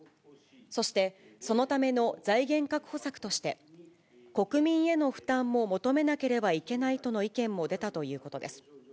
そして、そのための財源確保策として、国民への負担も求めなければいけないとの意見も出たということです。